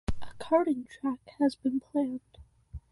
A karting track has been planned.